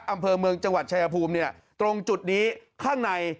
อำเภอเมืองจังหวัดชายภูมิเนี่ยตรงจุดนี้ข้างใน